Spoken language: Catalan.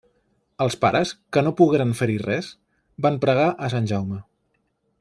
Els pares, que no pogueren fer-hi res, van pregar a Sant Jaume.